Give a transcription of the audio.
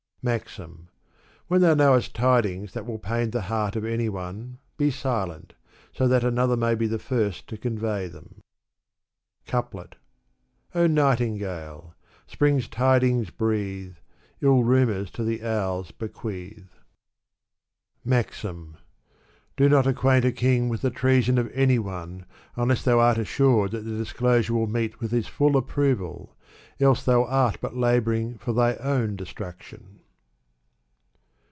MAXDf. When thou knowest tidings that will pain the heart of any one, be silent, so that another may be the first to convey them. Couplet. O nightingale ! spring's tidings breathe, 111 rumors to the owls bequeath. Digitized by Google t^ 310 Sa'di. UAXOi. Do not acquaint a king with the treason of any one unless when thou art assured that the disclosure win meet with his full approval, else thou art but laboring for thy own destruction.